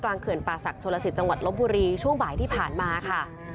เขื่อนป่าศักดิโชลสิตจังหวัดลบบุรีช่วงบ่ายที่ผ่านมาค่ะ